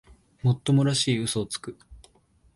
もっともらしい嘘をつく